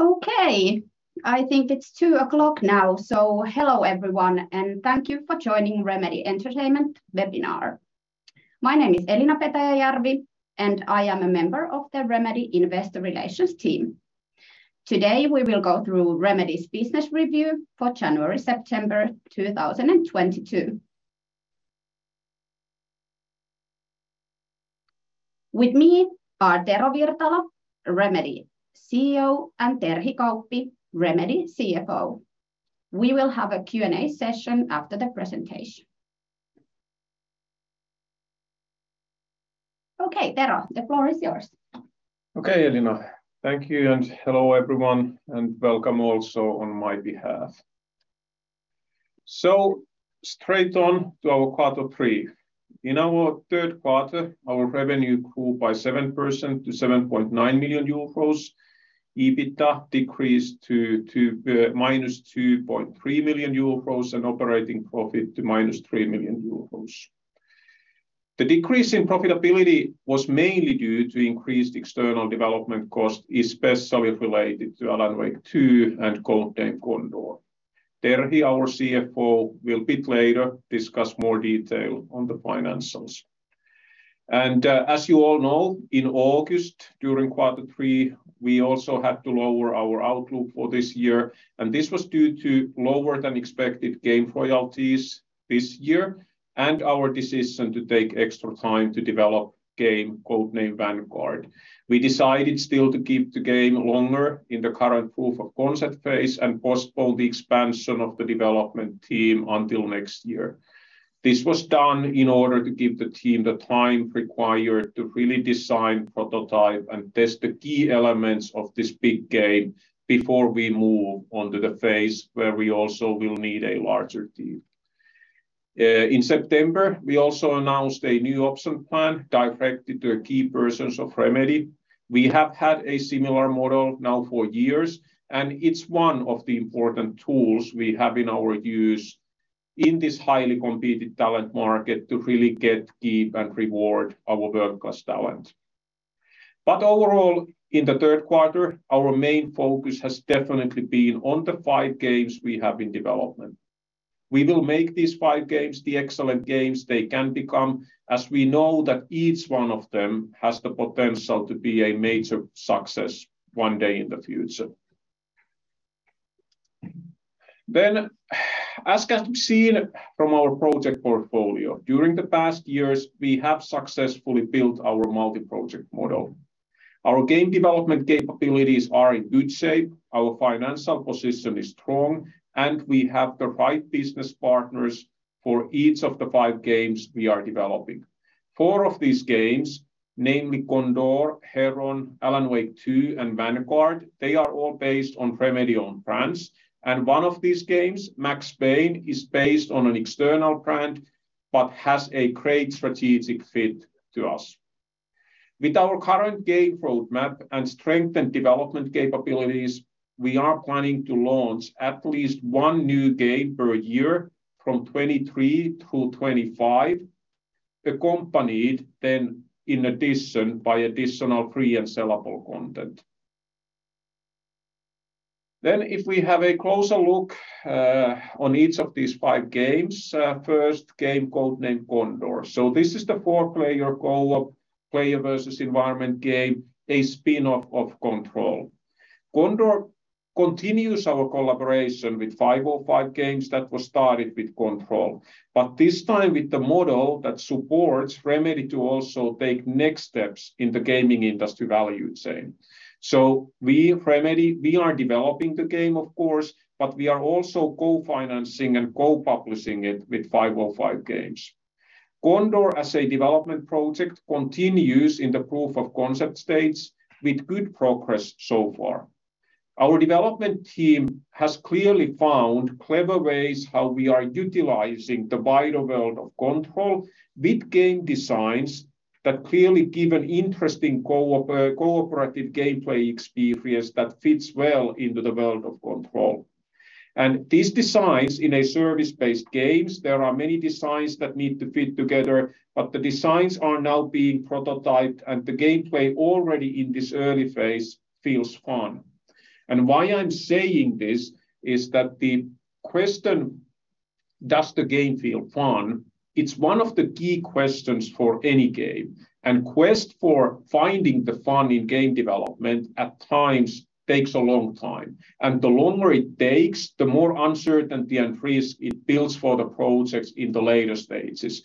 Okay, I think it's 2:00 P.M. now. Hello, everyone, and thank you for joining Remedy Entertainment webinar. My name is Elina Petäjäjärvi, and I am a member of the Remedy Investor Relations team. Today, we will go through Remedy's business review for January-September 2022. With me are Tero Virtala, Remedy CEO, and Terhi Kauppi, Remedy CFO. We will have a Q&A session after the presentation. Okay, Tero, the floor is yours. Okay, Elina Petäjäjärvi. Thank you and hello, everyone, and welcome also on my behalf. Straight on to our quarter three. In our third quarter, our revenue grew by 7% to 7.9 million euros. EBITDA decreased to -2.3 million euros and operating profit to -3 million euros. The decrease in profitability was mainly due to increased external development costs, especially related to Alan Wake 2 and Codename Condor. Terhi Kauppi, our CFO, will a bit later discuss more detail on the financials. As you all know, in August, during quarter three, we also had to lower our outlook for this year, and this was due to lower than expected game royalties this year and our decision to take extra time to develop game Codename Vanguard. We decided still to keep the game longer in the current proof of concept phase and postpone the expansion of the development team until next year. This was done in order to give the team the time required to really design, prototype, and test the key elements of this big game before we move on to the phase where we also will need a larger team. In September, we also announced a new option plan directed to key persons of Remedy. We have had a similar model now for years, and it's one of the important tools we have in our use in this highly competitive talent market to really get, keep, and reward our world-class talent. Overall, in the third quarter, our main focus has definitely been on the five games we have in development. We will make these five games the excellent games they can become, as we know that each one of them has the potential to be a major success one day in the future. As can be seen from our project portfolio, during the past years, we have successfully built our multi-project model. Our game development capabilities are in good shape, our financial position is strong, and we have the right business partners for each of the five games we are developing. Four of these games, namely Condor, Heron, Alan Wake 2, and Vanguard, they are all based on Remedy-owned brands. One of these games, Max Payne, is based on an external brand but has a great strategic fit to us. With our current game road map and strengthened development capabilities, we are planning to launch at least one new game per year from 2023 to 2025, accompanied then in addition by additional free and sellable content. If we have a closer look on each of these five games, first game, Codename Condor. This is the four-player co-op player versus environment game, a spin-off of Control. Condor continues our collaboration with 505 Games that was started with Control, but this time with the model that supports Remedy to also take next steps in the gaming industry value chain. We, Remedy, we are developing the game of course, but we are also co-financing and co-publishing it with 505 Games. Condor as a development project continues in the proof of concept stage with good progress so far. Our development team has clearly found clever ways how we are utilizing the wider world of Control with game designs that clearly give an interesting cooperative gameplay experience that fits well into the world of Control. These designs in a service-based games, there are many designs that need to fit together, but the designs are now being prototyped, and the gameplay already in this early phase feels fun. Why I'm saying this is that the question, does the game feel fun? It's one of the key questions for any game. The quest for finding the fun in game development at times takes a long time. The longer it takes, the more uncertainty and risk it builds for the projects in the later stages.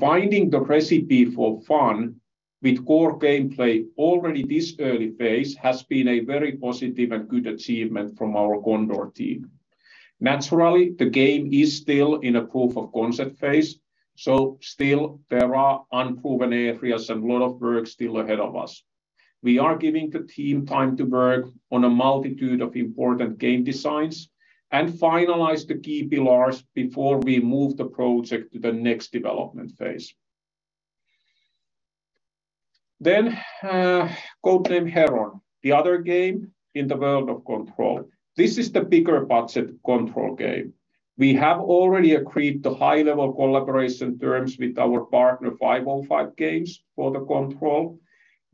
Finding the recipe for fun with core gameplay already this early phase has been a very positive and good achievement from our Condor team. Naturally, the game is still in a proof of concept phase, so still there are unproven areas and a lot of work still ahead of us. We are giving the team time to work on a multitude of important game designs and finalize the key pillars before we move the project to the next development phase. Codename Heron, the other game in the world of Control. This is the bigger budget Control game. We have already agreed the high-level collaboration terms with our partner 505 Games for the Control.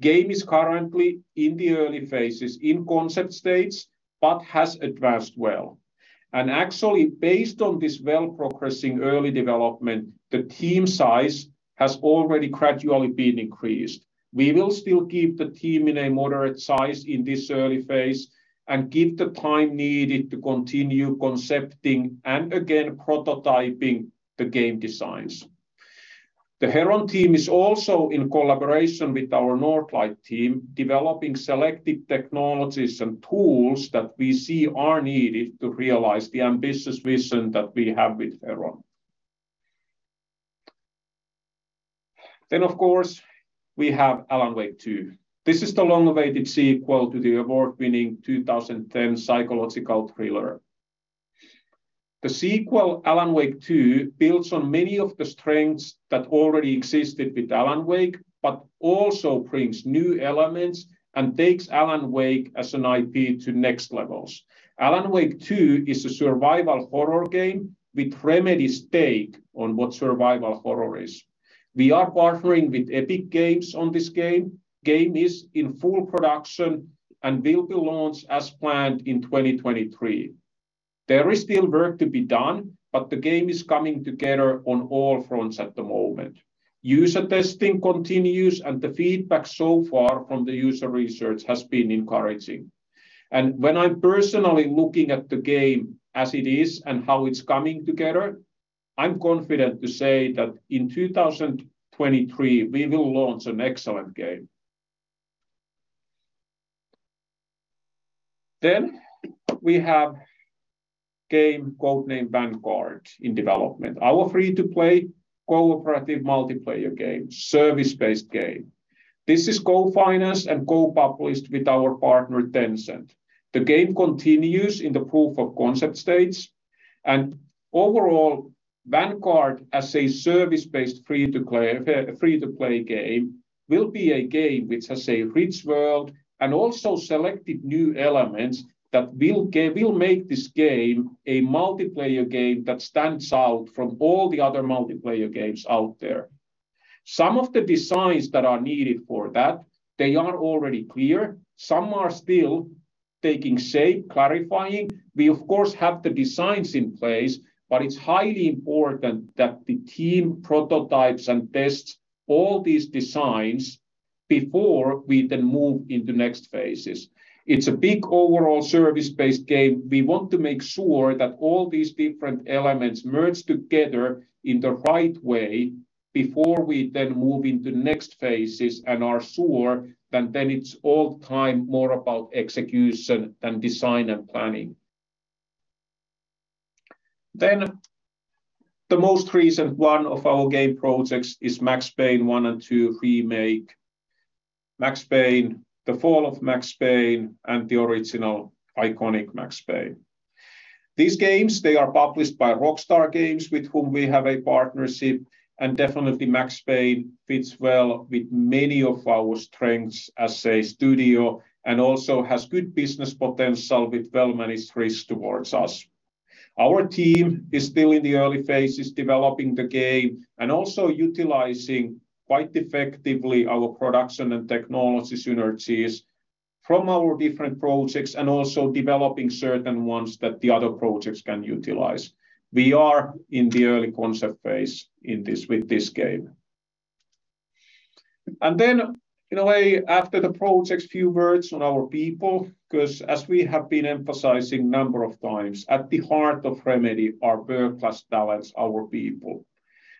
Game is currently in the early phases in concept stage, but has advanced well. Actually based on this well progressing early development, the team size has already gradually been increased. We will still keep the team in a moderate size in this early phase and give the time needed to continue concepting and again prototyping the game designs. The Heron team is also in collaboration with our Northlight team, developing selected technologies and tools that we see are needed to realize the ambitious vision that we have with Heron. Of course, we have Alan Wake 2. This is the long-awaited sequel to the award-winning 2010 psychological thriller. The sequel, Alan Wake 2, builds on many of the strengths that already existed with Alan Wake, but also brings new elements and takes Alan Wake as an IP to next levels. Alan Wake 2 is a survival horror game with Remedy's take on what survival horror is. We are partnering with Epic Games on this game. The game is in full production and will be launched as planned in 2023. There is still work to be done, but the game is coming together on all fronts at the moment. User testing continues, and the feedback so far from the user research has been encouraging. When I'm personally looking at the game as it is and how it's coming together, I'm confident to say that in 2023, we will launch an excellent game. We have game code-named Vanguard in development, our free-to-play cooperative multiplayer game, service-based game. This is co-financed and co-published with our partner Tencent. The game continues in the proof of concept stage and overall Vanguard as a service-based free-to-play game will be a game which has a rich world and also selected new elements that will make this game a multiplayer game that stands out from all the other multiplayer games out there. Some of the designs that are needed for that, they are already clear. Some are still taking shape, clarifying. We of course have the designs in place, but it's highly important that the team prototypes and tests all these designs before we then move into next phases. It's a big overall service-based game. We want to make sure that all these different elements merge together in the right way before we then move into next phases and are sure that then it's all time more about execution than design and planning. The most recent one of our game projects is Max Payne 1 & 2 remake, Max Payne 2: The Fall of Max Payne and the original iconic Max Payne. These games, they are published by Rockstar Games, with whom we have a partnership, and definitely Max Payne fits well with many of our strengths as a studio and also has good business potential with well managed risk towards us. Our team is still in the early phases developing the game and also utilizing quite effectively our production and technology synergies from our different projects and also developing certain ones that the other projects can utilize. We are in the early concept phase in this with this game. In a way, after the projects, few words on our people, 'cause as we have been emphasizing number of times, at the heart of Remedy are world-class talents, our people.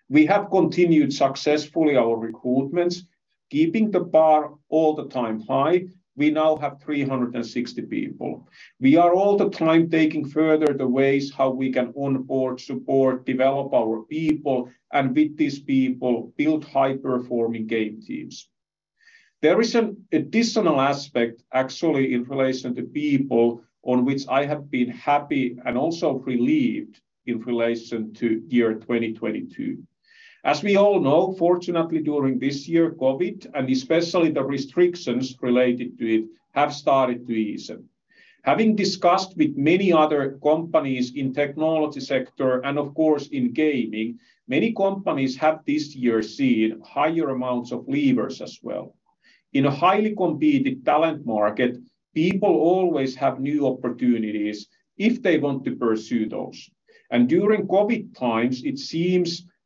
We have continued successfully our recruitments, keeping the bar all the time high. We now have 360 people. We are all the time taking further the ways how we can onboard, support, develop our people, and with these people, build high-performing game teams. There is an additional aspect actually in relation to people on which I have been happy and also relieved in relation to year 2022. As we all know, fortunately during this year, COVID, and especially the restrictions related to it, have started to ease up. Having discussed with many other companies in technology sector and of course in gaming, many companies have this year seen higher amounts of leavers as well. In a highly competitive talent market, people always have new opportunities if they want to pursue those. During COVID times,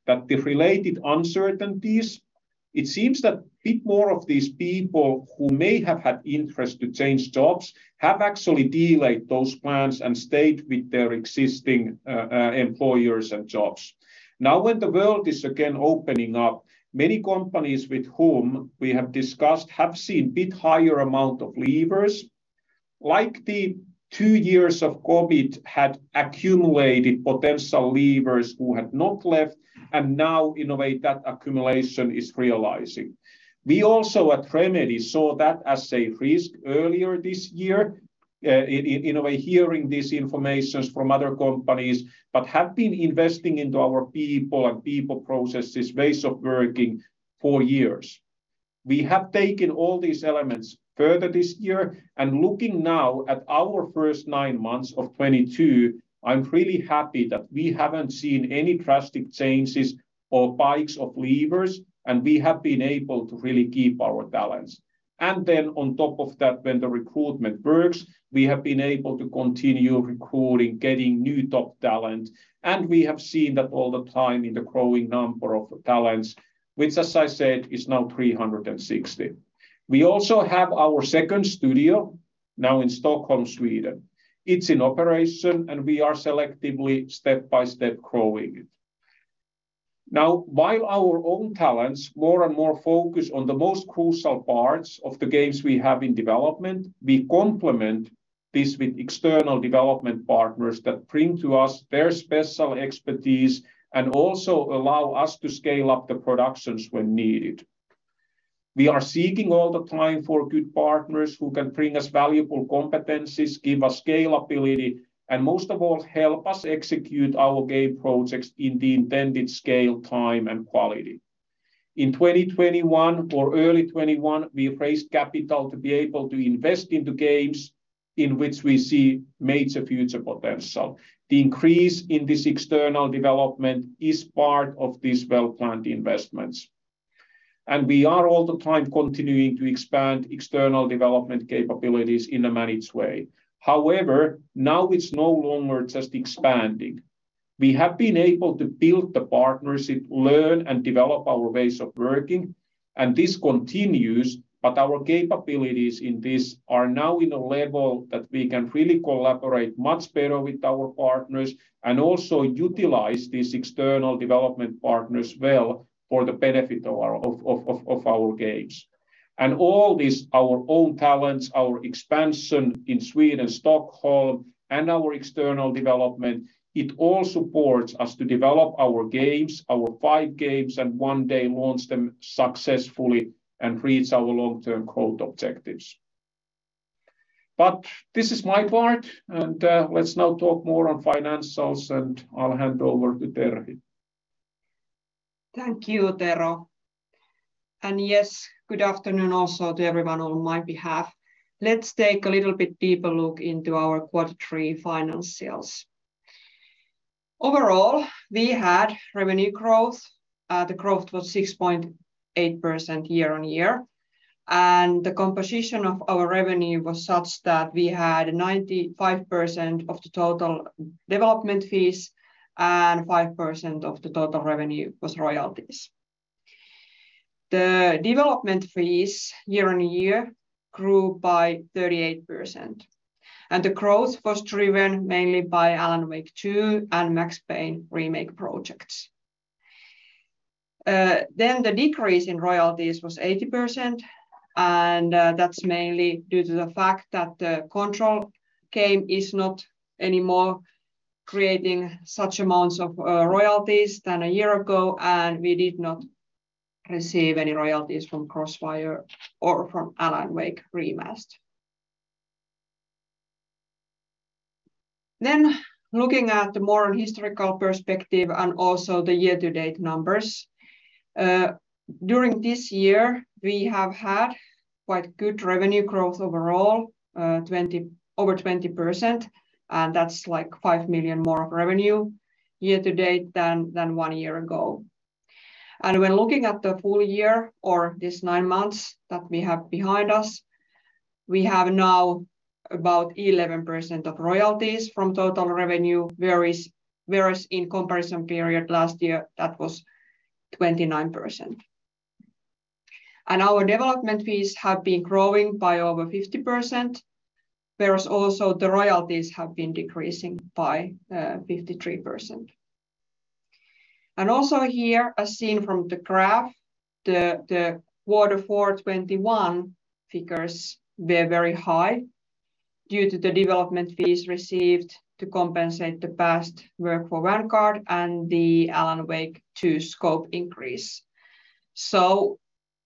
it seems that a bit more of these people who may have had interest to change jobs have actually delayed those plans and stayed with their existing employers and jobs. Now, when the world is again opening up, many companies with whom we have discussed have seen a bit higher amount of leavers, like the two years of COVID had accumulated potential leavers who had not left, and now in a way that accumulation is realizing. We also at Remedy saw that as a risk earlier this year, hearing this information from other companies, but have been investing into our people and people processes ways of working for years. We have taken all these elements further this year, and looking now at our first nine months of 2022, I'm really happy that we haven't seen any drastic changes or spikes of leavers, and we have been able to really keep our talents. On top of that, when the recruitment works, we have been able to continue recruiting, getting new top talent, and we have seen that all the time in the growing number of talents which, as I said, is now 360. We also have our second studio now in Stockholm, Sweden. It's in operation, and we are selectively step by step growing it. Now, while our own talents more and more focus on the most crucial parts of the games we have in development, we complement this with external development partners that bring to us their special expertise and also allow us to scale up the productions when needed. We are seeking all the time for good partners who can bring us valuable competencies, give us scalability, and most of all help us execute our game projects in the intended scale, time and quality. In 2021 or early 2021, we raised capital to be able to invest into games in which we see major future potential. The increase in this external development is part of these well-planned investments, and we are all the time continuing to expand external development capabilities in a managed way. However, now it's no longer just expanding. We have been able to build the partnership, learn and develop our ways of working, and this continues. Our capabilities in this are now in a level that we can really collaborate much better with our partners and also utilize these external development partners well for the benefit of our games. All this, our own talents, our expansion in Sweden, Stockholm, and our external development, it all supports us to develop our games, our five games, and one day launch them successfully and reach our long-term growth objectives. This is my part. Let's now talk more on financials, and I'll hand over to Terhi. Thank you, Tero. Yes, good afternoon also to everyone on my behalf. Let's take a little bit deeper look into our quarter three financials. Overall, we had revenue growth. The growth was 6.8% year-on-year, and the composition of our revenue was such that we had 95% of the total development fees and 5% of the total revenue was royalties. The development fees year-on-year grew by 38%, and the growth was driven mainly by Alan Wake 2 and Max Payne remake projects. Then the decrease in royalties was 80%, and that's mainly due to the fact that the Control game is not anymore creating such amounts of royalties as a year ago. We did not receive any royalties from Crossfire or from Alan Wake Remastered. Looking at the more historical perspective and also the year-to-date numbers. During this year we have had quite good revenue growth overall, over 20%, and that's like 5 million more of revenue year to date than one year ago. When looking at the full year or these nine months that we have behind us, we have now about 11% of royalties from total revenue, whereas in comparison period last year, that was 29%. Our development fees have been growing by over 50%, whereas also the royalties have been decreasing by 53%. Also here, as seen from the graph, the quarter four 2021 figures were very high due to the development fees received to compensate the past work for Vanguard and the Alan Wake 2 scope increase.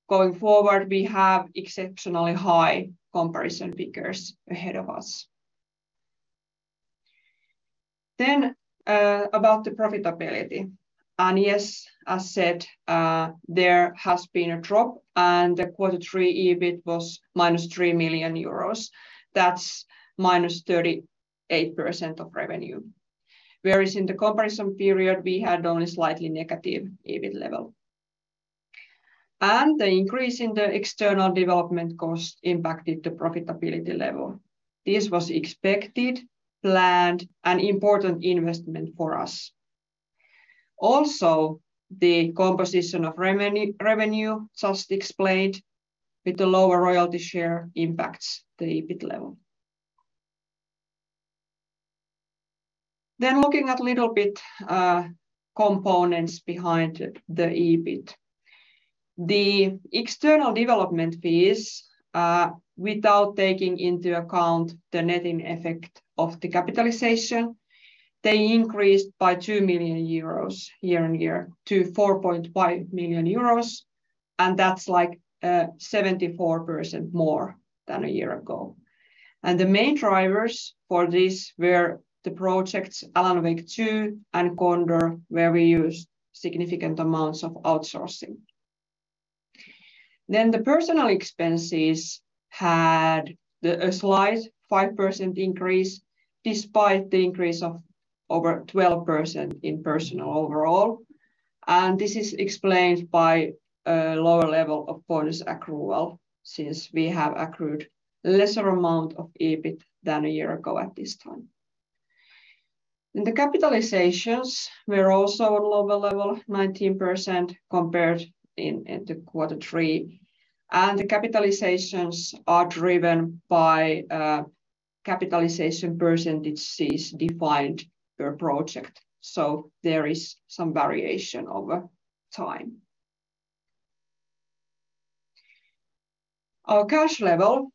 Going forward, we have exceptionally high comparison figures ahead of us. About the profitability, and yes, as said, there has been a drop, and the quarter three EBIT was -3 million euros. That's -38% of revenue, whereas in the comparison period, we had only slightly negative EBIT level. The increase in the external development cost impacted the profitability level. This was expected, planned, an important investment for us. Also, the composition of revenue, just explained with the lower royalty share, impacts the EBIT level. Looking at little bit, components behind the EBIT. The external development fees, without taking into account the netting effect of the capitalization, they increased by 2 million euros year-on-year to 4.5 million euros, and that's like, 74% more than a year ago. The main drivers for this were the projects Alan Wake 2 and Condor, where we used significant amounts of outsourcing. Personnel expenses had a slight 5% increase despite the increase of over 12% in personnel overall, and this is explained by a lower level of bonus accrual since we have accrued a lesser amount of EBIT than a year ago at this time. In the capitalizations, we're also on a lower level, 19% compared to quarter three, and the capitalizations are driven by capitalization percentages defined per project. So there is some variation over time. Our cash level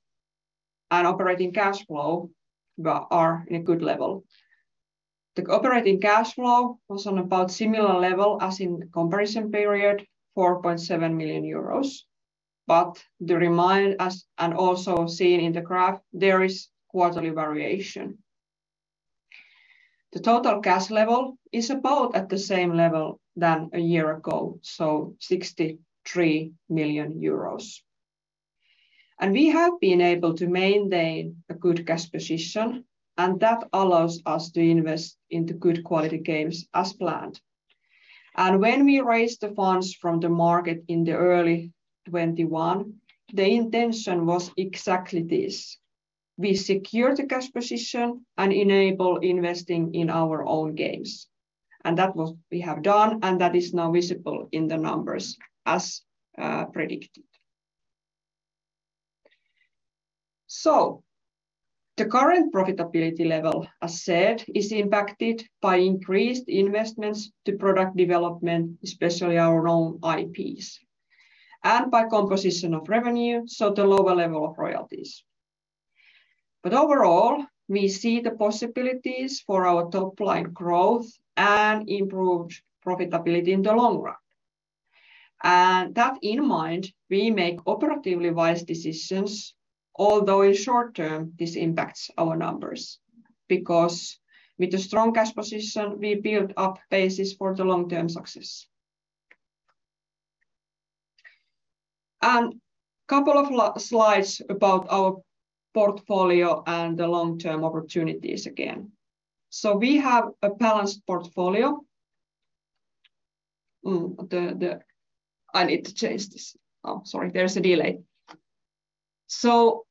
and operating cash flow are in a good level. The operating cash flow was at about a similar level as in the comparison period, 4.7 million euros, but this reminds us and also seen in the graph, there is quarterly variation. The total cash level is about at the same level as a year ago, so 63 million euros. We have been able to maintain a good cash position, and that allows us to invest into good quality games as planned. When we raised the funds from the market in the early 2021, the intention was exactly this. We secure the cash position and enable investing in our own games. We have done, and that is now visible in the numbers as predicted. The current profitability level, as said, is impacted by increased investments to product development, especially our own IPs, and by composition of revenue, so the lower level of royalties. Overall, we see the possibilities for our top-line growth and improved profitability in the long run. That in mind, we make operationally wise decisions, although in short-term, this impacts our numbers because with a strong cash position, we build up basis for the long-term success. Couple of slides about our portfolio and the long-term opportunities again. We have a balanced portfolio.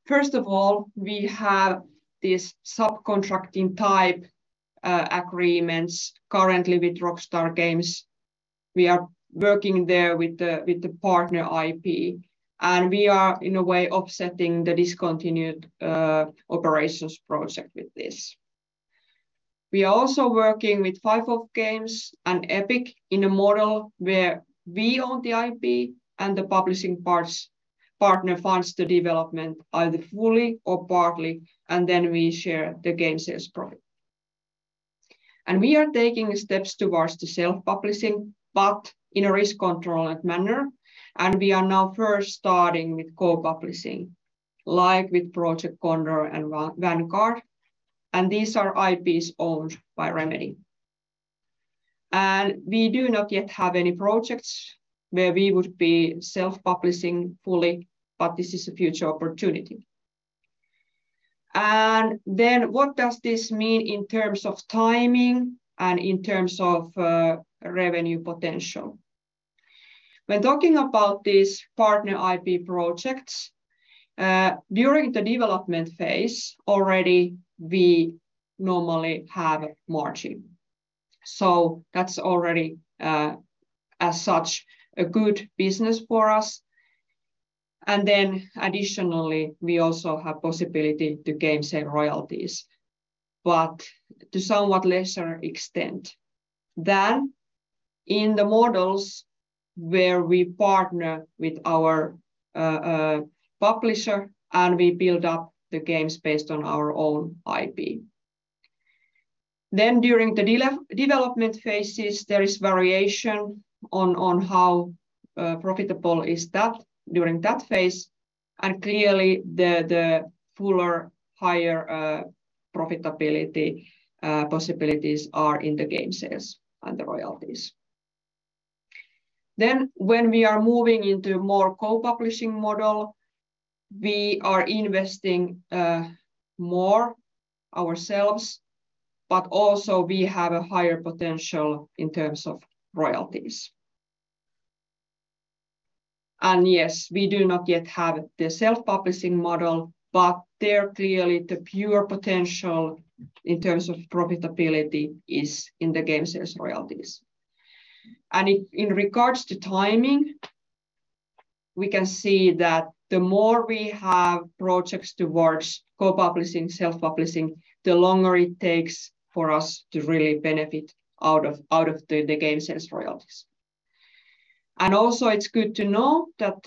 First of all, we have these subcontracting-type agreements currently with Rockstar Games. We are working there with the partner IP, and we are, in a way, offsetting the discontinued operations project with this. We are also working with 505 Games and Epic in a model where we own the IP and the publishing partner funds the development either fully or partly, and then we share the game sales profit. We are taking steps towards the self-publishing, but in a risk-controlled manner, and we are now first starting with co-publishing, like with Codename Condor and Codename Vanguard, and these are IPs owned by Remedy. We do not yet have any projects where we would be self-publishing fully, but this is a future opportunity. What does this mean in terms of timing and in terms of revenue potential? When talking about these partner IP projects, during the development phase already, we normally have margin. So that's already, as such, a good business for us and then additionally, we also have possibility to games sales royalties, but to somewhat lesser extent than in the models where we partner with our publisher, and we build up the games based on our own IP. During the development phases, there is variation on how profitable is that during that phase, and clearly the fuller, higher profitability possibilities are in the game sales and the royalties. When we are moving into more co-publishing model, we are investing more ourselves, but also we have a higher potential in terms of royalties. Yes, we do not yet have the self-publishing model, but there clearly the pure potential in terms of profitability is in the game sales royalties. In regards to timing, we can see that the more we have projects towards co-publishing, self-publishing, the longer it takes for us to really benefit out of the game sales royalties. Also it's good to know that,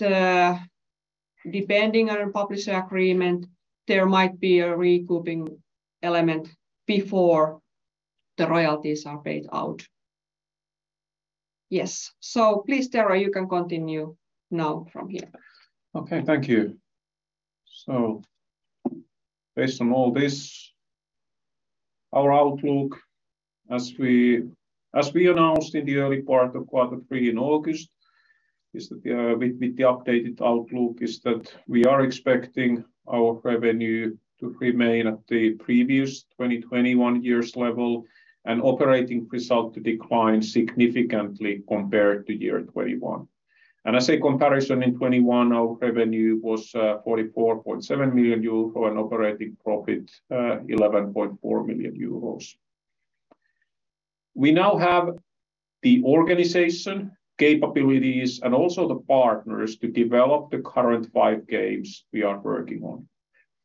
depending on publisher agreement, there might be a recouping element before the royalties are paid out. Yes. Please, Tero, you can continue now from here. Our outlook, as we announced in the early part of quarter three in August, is that with the updated outlook, we are expecting our revenue to remain at the previous 2021 year's level and operating result to decline significantly compared to year 2021. As a comparison, in 2021, our revenue was 44.7 million euro and operating profit 11.4 million euros. We now have the organizational capabilities and also the partners to develop the current five games we are working on.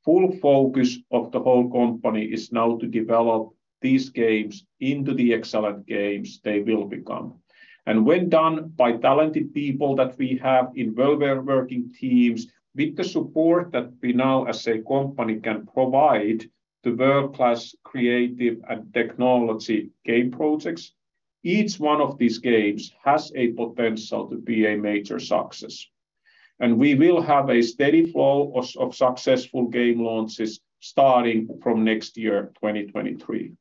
Full focus of the whole company is now to develop these games into the excellent games they will become. When done by talented people that we have in well-working teams with the support that we now as a company can provide to world-class creative and technology game projects, each one of these games has a potential to be a major success. We will have a steady flow of successful game launches starting from next year, 2023.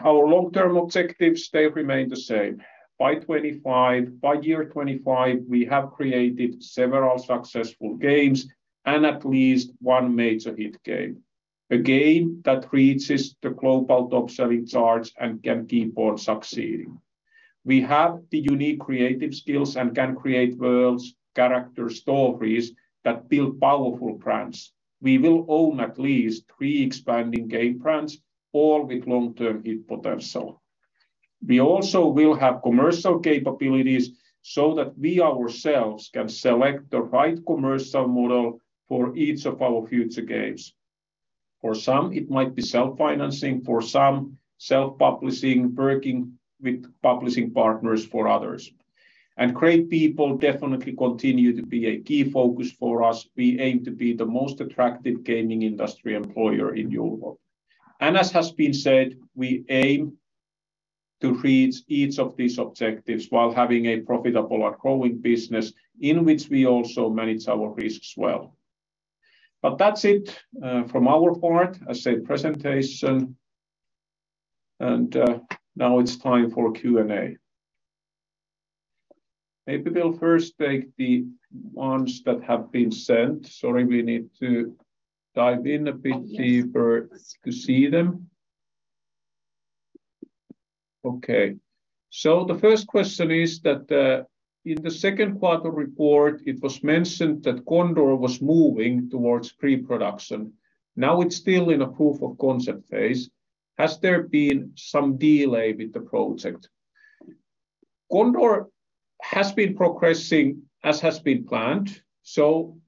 Our long-term objectives, they remain the same. By 2025, by year 2025, we have created several successful games and at least one major hit game, a game that reaches the global top-selling charts and can keep on succeeding. We have the unique creative skills and can create worlds, characters, stories that build powerful brands. We will own at least three expanding game brands, all with long-term hit potential. We also will have commercial capabilities so that we ourselves can select the right commercial model for each of our future games. For some, it might be self-financing, for some self-publishing, working with publishing partners for others. Great people definitely continue to be a key focus for us. We aim to be the most attractive gaming industry employer in Europe. As has been said, we aim to reach each of these objectives while having a profitable and growing business in which we also manage our risks well. That's it, from our part. As I said, presentation and, now it's time for Q&A. Maybe we'll first take the ones that have been sent. Sorry, we need to dive in a bit deeper.... to see them. Okay. The first question is that, in the second quarter report, it was mentioned that Condor was moving towards pre-production. Now it's still in a proof of concept phase. Has there been some delay with the project? Condor has been progressing as has been planned.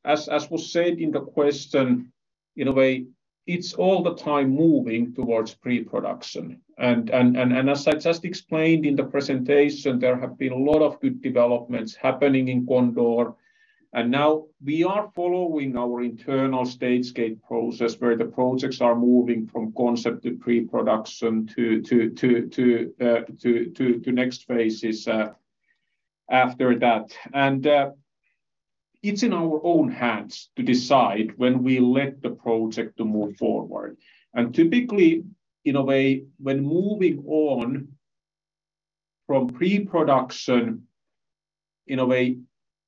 As was said in the question, in a way, it's all the time moving towards pre-production. And as I just explained in the presentation, there have been a lot of good developments happening in Condor. Now we are following our internal stage gate process where the projects are moving from concept to pre-production to next phases after that. It's in our own hands to decide when we let the project move forward. Typically, in a way, when moving on from pre-production, in a way,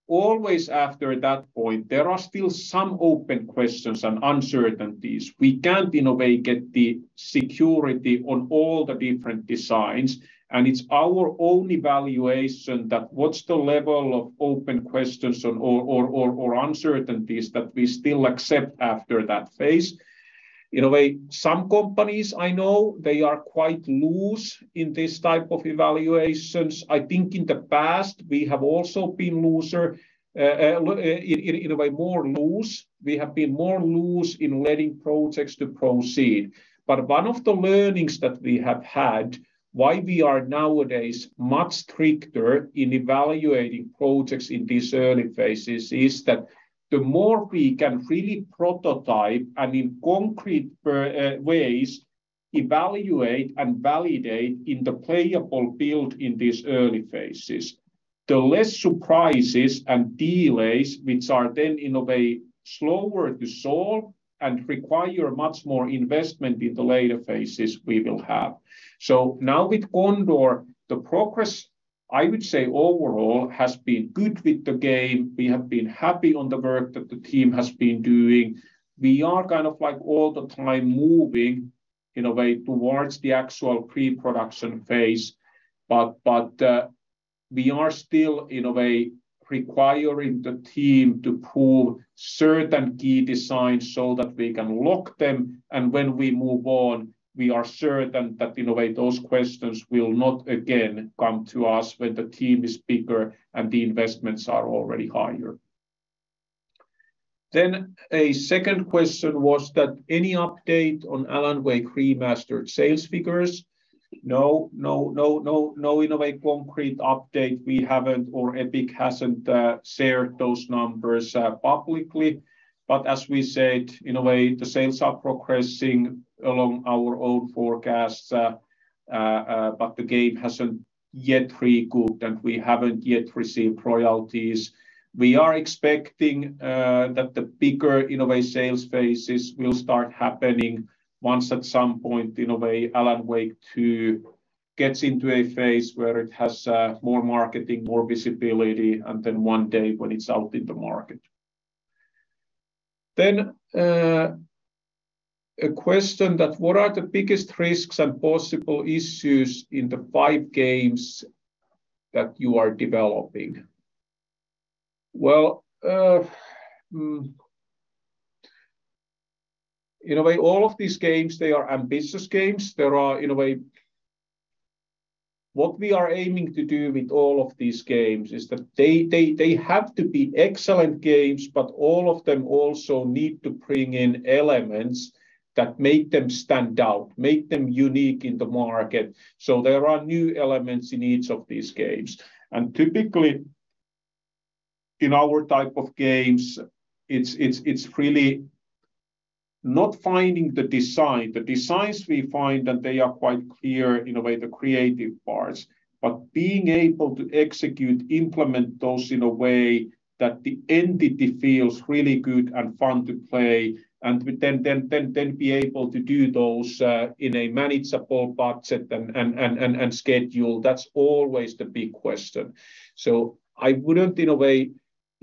always after that point, there are still some open questions and uncertainties. We can't, in a way, get the security on all the different designs, and it's our own evaluation that what's the level of open questions or uncertainties that we still accept after that phase. In a way, some companies I know, they are quite loose in this type of evaluations. I think in the past, we have also been looser, in a way, more loose. We have been more loose in letting projects to proceed. One of the learnings that we have had, why we are nowadays much stricter in evaluating projects in these early phases, is that the more we can really prototype and in concrete ways evaluate and validate in the playable build in these early phases, the less surprises and delays which are then, in a way, slower to solve and require much more investment in the later phases we will have. Now with Condor, the progress, I would say overall has been good with the game. We have been happy with the work that the team has been doing. We are kind of like all the time moving, in a way, towards the actual pre-production phase. We are still, in a way, requiring the team to prove certain key designs so that we can lock them, and when we move on, we are certain that, in a way, those questions will not again come to us when the team is bigger and the investments are already higher. Then a second question was that any update on Alan Wake Remastered sales figures? No, in a way, concrete update. We haven't, or Epic hasn't, shared those numbers publicly. As we said, in a way, the sales are progressing along our own forecasts, but the game hasn't yet recouped, and we haven't yet received royalties. We are expecting that the bigger, in a way, sales phases will start happening once at some point, in a way, Alan Wake 2 gets into a phase where it has more marketing, more visibility, and then one day when it's out in the market. A question that, "What are the biggest risks and possible issues in the five games that you are developing?" Well, in a way, all of these games, they are ambitious games. There are, in a way. What we are aiming to do with all of these games is that they have to be excellent games, but all of them also need to bring in elements that make them stand out, make them unique in the market. There are new elements in each of these games, and typically, in our type of games, it's really not finding the design. The designs we find, and they are quite clear in a way, the creative parts. But being able to execute, implement those in a way that the entity feels really good and fun to play, and then be able to do those in a manageable budget and schedule, that's always the big question. I wouldn't in a way,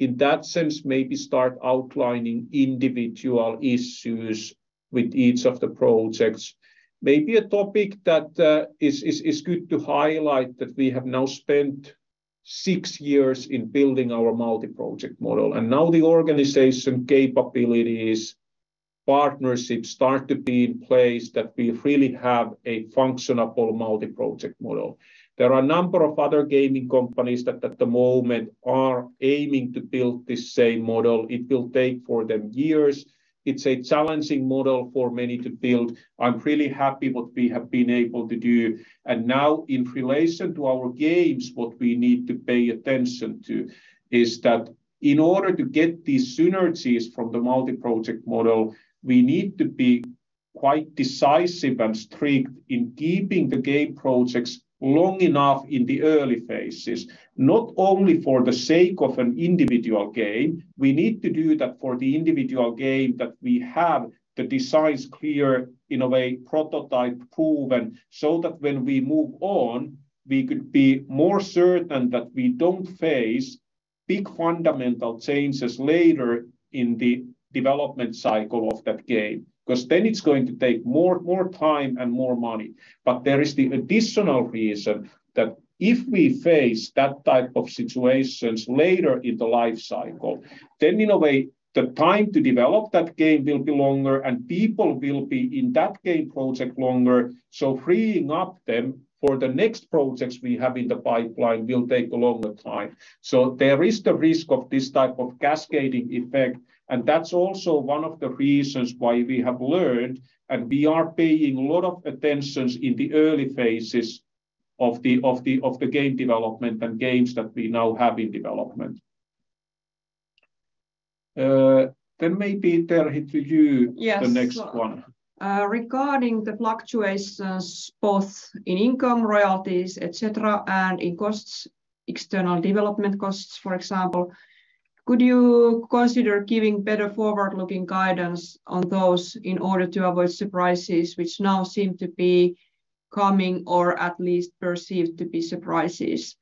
in that sense, maybe start outlining individual issues with each of the projects. Maybe a topic that is good to highlight that we have now spent six years in building our multi-project model, and now the organization capabilities, partnerships start to be in place that we really have a functional multi-project model. There are a number of other gaming companies that at the moment are aiming to build the same model. It will take for them years. It's a challenging model for many to build. I'm really happy what we have been able to do. Now in relation to our games, what we need to pay attention to is that in order to get these synergies from the multi-project model, we need to be quite decisive and strict in keeping the game projects long enough in the early phases, not only for the sake of an individual game. We need to do that for the individual game that we have the designs clear, in a way, prototype proven, so that when we move on, we could be more certain that we don't face big fundamental changes later in the development cycle of that game. 'Cause then it's going to take more time and more money. There is the additional reason that if we face that type of situations later in the life cycle, then in a way, the time to develop that game will be longer, and people will be in that game project longer. Freeing up them for the next projects we have in the pipeline will take a longer time. There is the risk of this type of cascading effect, and that's also one of the reasons why we have learned and we are paying a lot of attention in the early phases of the game development and games that we now have in development. Maybe Terhi to you- Yes. The next one. Regarding the fluctuations both in income royalties, et cetera, and in costs, external development costs, for example, could you consider giving better forward-looking guidance on those in order to avoid surprises which now seem to be coming or at least perceived to be surprises?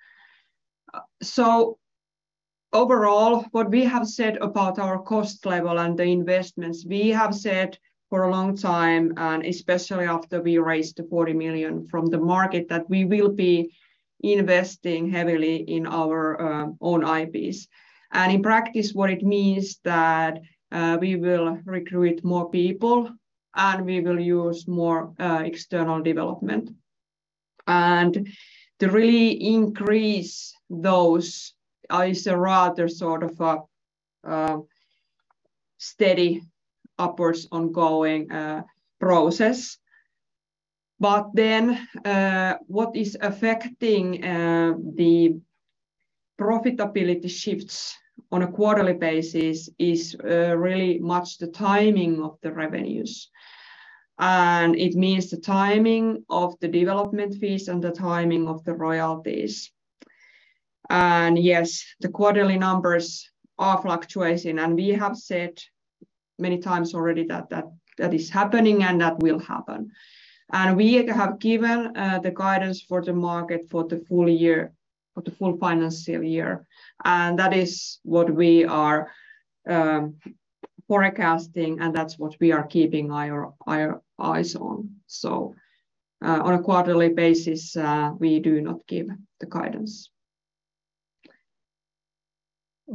Overall, what we have said about our cost level and the investments, we have said for a long time, and especially after we raised 40 million from the market, that we will be investing heavily in our own IPs. In practice, what it means that we will recruit more people, and we will use more external development. To really increase those is a rather sort of a steady upwards ongoing process. What is affecting the profitability shifts on a quarterly basis is really much the timing of the revenues, and it means the timing of the development fees and the timing of the royalties. Yes, the quarterly numbers are fluctuating, and we have said many times already that that is happening and that will happen. We have given the guidance for the market for the full year—for the full financial year, and that is what we are forecasting, and that's what we are keeping our eyes on. On a quarterly basis, we do not give the guidance.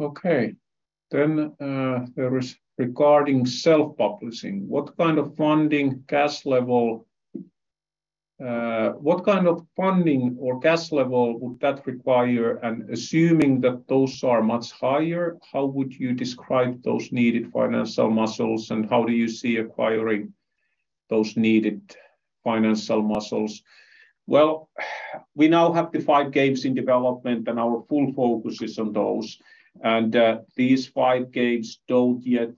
Okay. There is regarding self-publishing, what kind of funding, cash level. What kind of funding or cash level would that require? Assuming that those are much higher, how would you describe those needed financial muscles, and how do you see acquiring those needed financial muscles? Well, we now have the 5 games in development, and our full focus is on those. These 5 games don't yet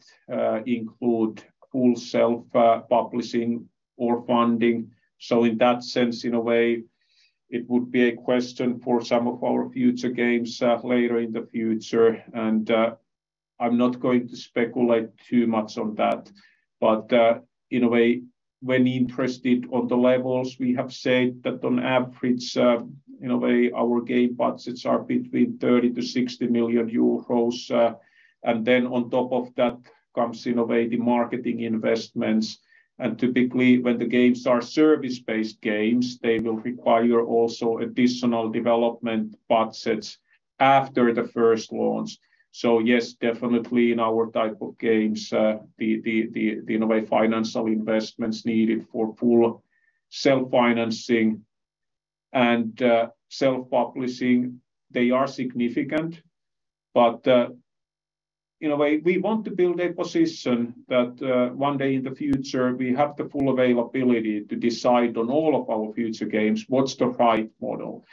include full self-publishing or funding. In that sense, in a way, it would be a question for some of our future games, later in the future. I'm not going to speculate too much on that. In a way, when interested in the levels, we have said that on average, in a way, our game budgets are between 30 million-60 million euros. On top of that comes in a way the marketing investments. Typically, when the games are service-based games, they will require also additional development budgets after the first launch. Yes, definitely in our type of games, the in a way financial investments needed for full self-financing and self-publishing, they are significant. In a way, we want to build a position that one day in the future, we have the full availability to decide on all of our future games what's the right model.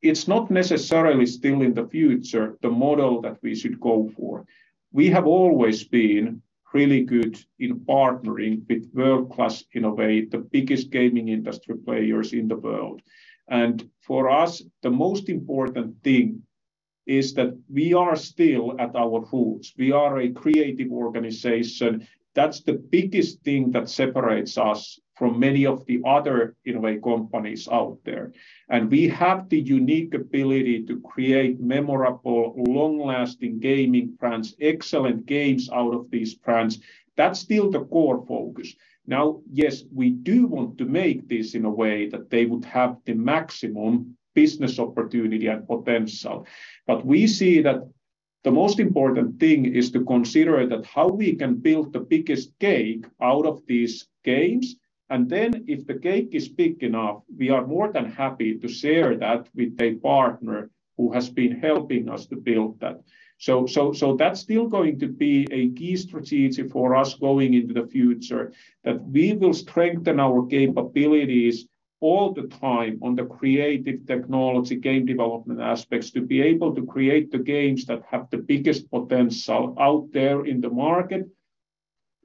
It's not necessarily still in the future the model that we should go for. We have always been really good in partnering with world-class, in a way, the biggest gaming industry players in the world. For us, the most important thing is that we are still at our roots. We are a creative organization. That's the biggest thing that separates us from many of the other, in a way, companies out there. We have the unique ability to create memorable, long-lasting gaming brands, excellent games out of these brands. That's still the core focus. Now, yes, we do want to make this in a way that they would have the maximum business opportunity and potential. We see that the most important thing is to consider that how we can build the biggest cake out of these games. If the cake is big enough, we are more than happy to share that with a partner who has been helping us to build that. That's still going to be a key strategy for us going into the future, that we will strengthen our capabilities all the time on the creative technology game development aspects to be able to create the games that have the biggest potential out there in the market.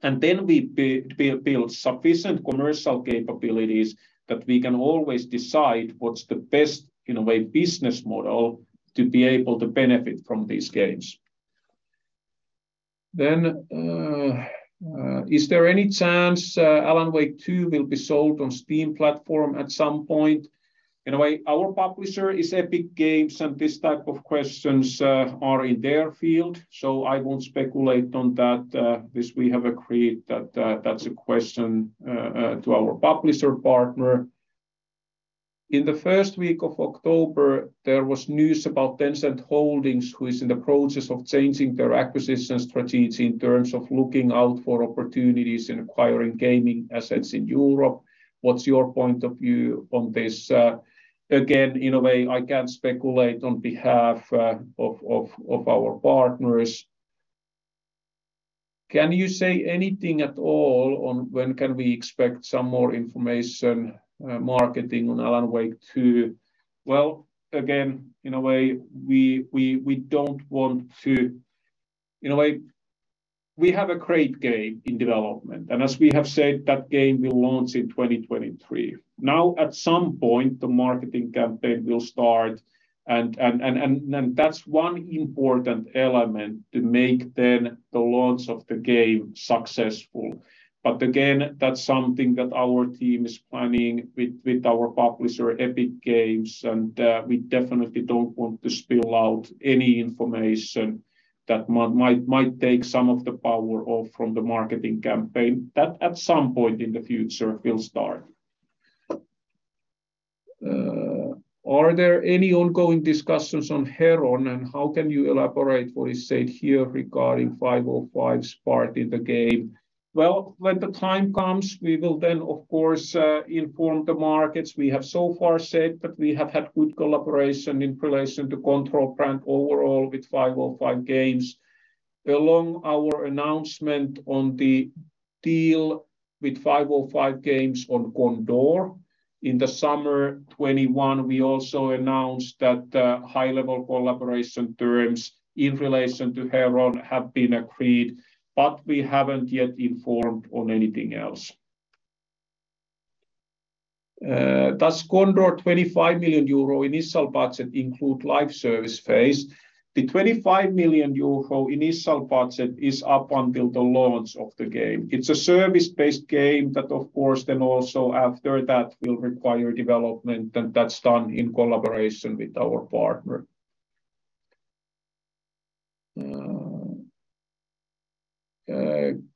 We build sufficient commercial capabilities that we can always decide what's the best, in a way, business model to be able to benefit from these games. Is there any chance Alan Wake 2 will be sold on Steam platform at some point? In a way, our publisher is Epic Games, and this type of questions are in their field, so I won't speculate on that. This we have agreed that's a question to our publisher partner. In the first week of October, there was news about Tencent Holdings, who is in the process of changing their acquisition strategy in terms of looking out for opportunities in acquiring gaming assets in Europe. What's your point of view on this? Again, in a way, I can't speculate on behalf of our partners. Can you say anything at all on when can we expect some more information, marketing on Alan Wake 2? Again, in a way, we don't want to. In a way, we have a great game in development. As we have said, that game will launch in 2023. Now, at some point, the marketing campaign will start and then that's one important element to make then the launch of the game successful. Again, that's something that our team is planning with our publisher, Epic Games, and we definitely don't want to spill out any information that might take some of the power off from the marketing campaign that at some point in the future will start. Are there any ongoing discussions on Heron, and how can you elaborate what is said here regarding 505 Games' part in the game? Well, when the time comes, we will then of course inform the markets. We have so far said that we have had good collaboration in relation to Control brand overall with 505 Games. Along our announcement on the deal with 505 Games on Condor in the summer 2021 we also announced that high-level collaboration terms in relation to Heron have been agreed, but we haven't yet informed on anything else. Does Condor 25 million euro initial budget include live service phase? The 25 million euro initial budget is up until the launch of the game. It's a service-based game that of course then also after that will require development, and that's done in collaboration with our partner.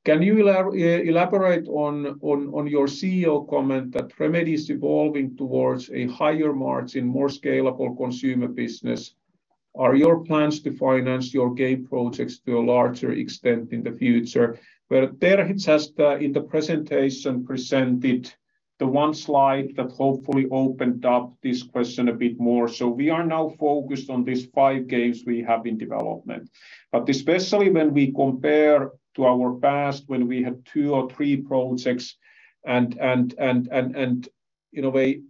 Can you elaborate on your CEO comment that Remedy is evolving towards a higher margin, more scalable consumer business? Are your plans to finance your game projects to a larger extent in the future? Well, Terhi has in the presentation presented the one slide that hopefully opened up this question a bit more. We are now focused on these five games we have in development. Especially when we compare to our past when we had two or three projects and in a way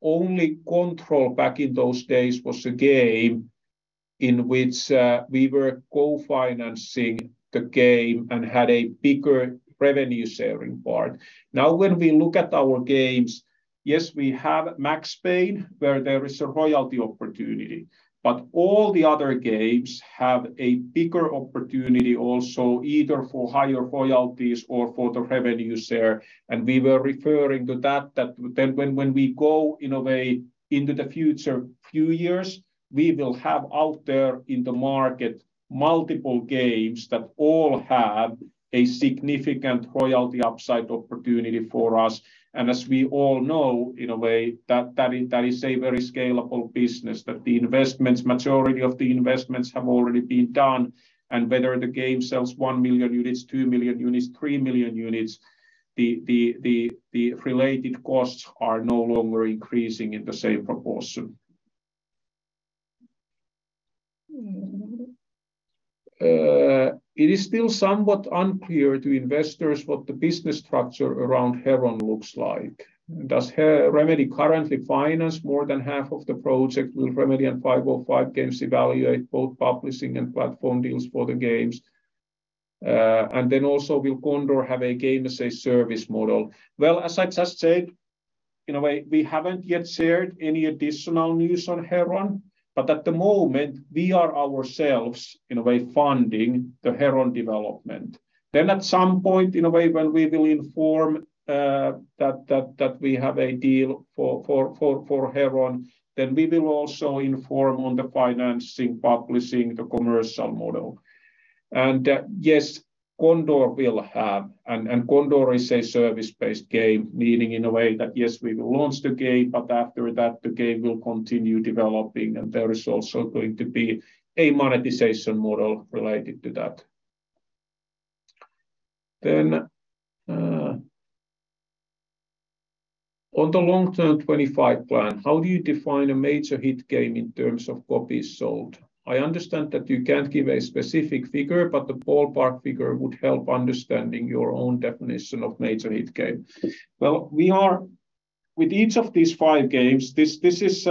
only Control back in those days was a game in which we were co-financing the game and had a bigger revenue sharing part. Now, when we look at our games, yes, we have Max Payne, where there is a royalty opportunity, but all the other games have a bigger opportunity also, either for higher royalties or for the revenue share. We were referring to that then when we go in a way into the future few years, we will have out there in the market multiple games that all have a significant royalty upside opportunity for us. As we all know, in a way, that is a very scalable business, that the investments, majority of the investments have already been done, and whether the game sells 1 million units, 2 million units, 3 million units, the related costs are no longer increasing in the same proportion. It is still somewhat unclear to investors what the business structure around Heron looks like. Does Remedy currently finance more than half of the project? Will Remedy and 505 Games evaluate both publishing and platform deals for the games? Then also, will Condor have a game as a service model? Well, as I just said, in a way, we haven't yet shared any additional news on Heron, but at the moment, we are ourselves, in a way, funding the Heron development. At some point, in a way, when we will inform that we have a deal for Heron, we will also inform on the financing, publishing, the commercial model. Yes, Condor will have, Condor is a service-based game, meaning in a way that yes, we will launch the game, but after that the game will continue developing and there is also going to be a monetization model related to that. On the long-term 25 plan, how do you define a major hit game in terms of copies sold? I understand that you can't give a specific figure, but the ballpark figure would help understanding your own definition of major hit game. With each of these five games, this is,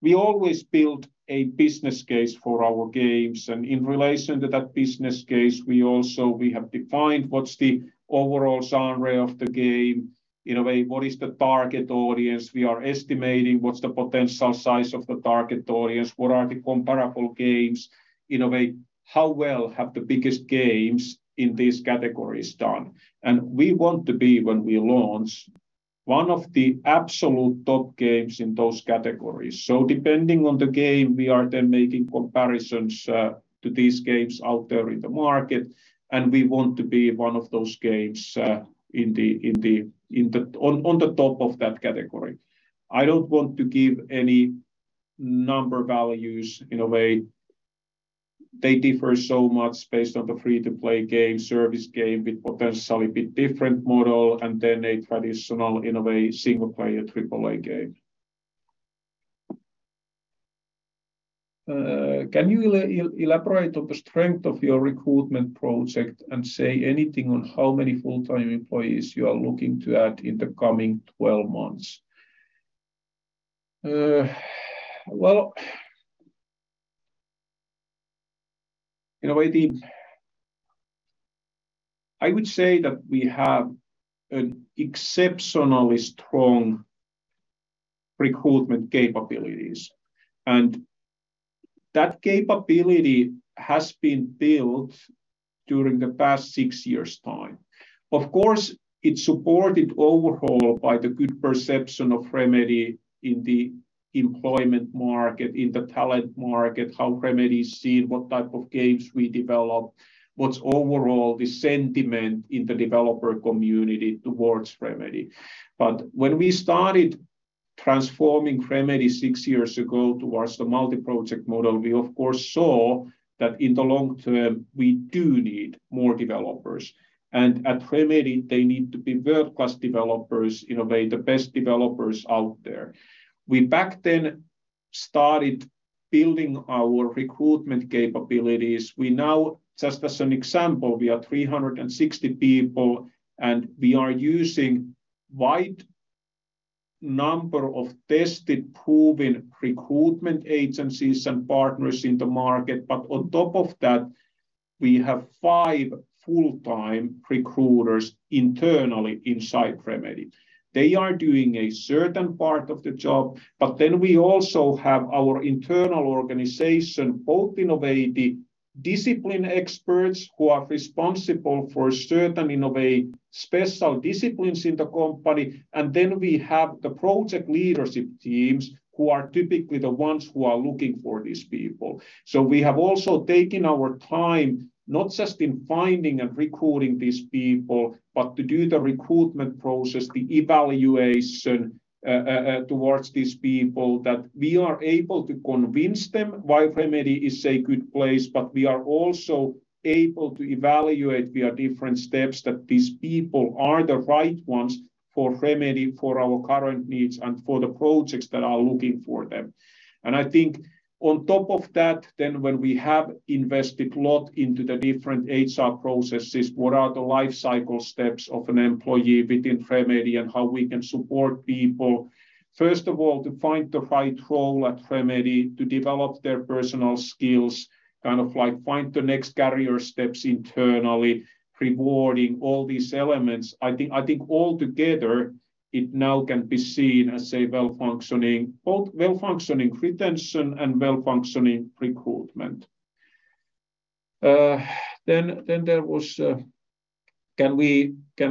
we always build a business case for our games. In relation to that business case, we also have defined what's the overall genre of the game, in a way, what is the target audience. We are estimating what's the potential size of the target audience. What are the comparable games? In a way, how well have the biggest games in these categories done? We want to be, when we launch, one of the absolute top games in those categories. Depending on the game, we are then making comparisons to these games out there in the market, and we want to be one of those games on the top of that category. I don't want to give any number values in a way. They differ so much based on the free-to-play game, service game with potentially bit different model, and then a traditional, in a way, single-player AAA game. Can you elaborate on the strength of your recruitment project and say anything on how many full-time employees you are looking to add in the coming twelve months? Well, in a way, I would say that we have an exceptionally strong recruitment capabilities, and that capability has been built during the past six years' time. Of course, it's supported overall by the good perception of Remedy in the employment market, in the talent market, how Remedy is seen, what type of games we develop, what's overall the sentiment in the developer community towards Remedy. When we started transforming Remedy six years ago towards the multi-project model, we of course saw that in the long term, we do need more developers. At Remedy, they need to be world-class developers, in a way, the best developers out there. We back then started building our recruitment capabilities. We now, just as an example, we are 360 people, and we are using wide number of tested, proven recruitment agencies and partners in the market. On top of that, we have five full-time recruiters internally inside Remedy. They are doing a certain part of the job, but then we also have our internal organization, both in a way the discipline experts who are responsible for certain, in a way, special disciplines in the company, and then we have the project leadership teams, who are typically the ones who are looking for these people. We have also taken our time not just in finding and recruiting these people, but to do the recruitment process, the evaluation, towards these people that we are able to convince them why Remedy is a good place, but we are also able to evaluate via different steps that these people are the right ones for Remedy, for our current needs, and for the projects that are looking for them. I think on top of that, then when we have invested lot into the different HR processes, what are the life cycle steps of an employee within Remedy and how we can support people, first of all, to find the right role at Remedy, to develop their personal skills, kind of like find the next career steps internally, rewarding all these elements. I think all together it now can be seen as a well-functioning, both well-functioning retention and well-functioning recruitment. Can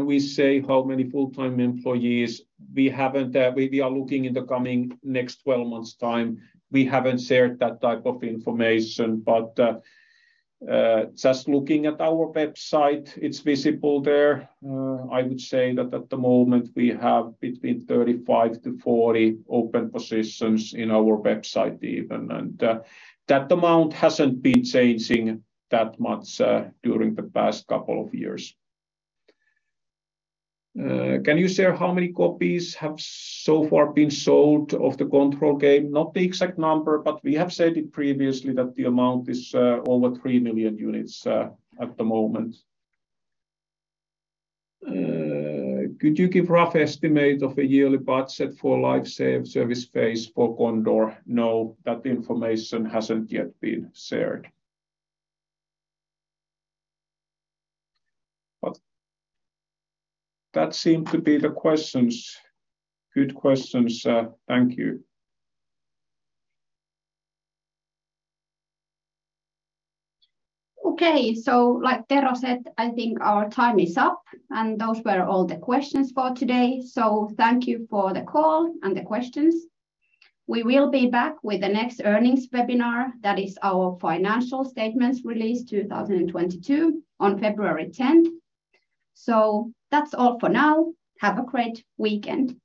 we say how many full-time employees? We haven't, we are looking in the coming next 12 months' time. We haven't shared that type of information. Just looking at our website, it's visible there. I would say that at the moment we have between 35-40 open positions on our website even, and that amount hasn't been changing that much during the past couple of years. Can you share how many copies have so far been sold of the Control game? Not the exact number, but we have said it previously that the amount is over 3 million units at the moment. Could you give rough estimate of a yearly budget for live service phase for Condor? No, that information hasn't yet been shared. That seemed to be the questions. Good questions. Thank you. Okay. Like Tero said, I think our time is up, and those were all the questions for today. Thank you for the call and the questions. We will be back with the next earnings webinar, that is our financial statements release 2022, on February tenth. That's all for now. Have a great weekend.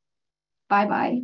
Bye-bye.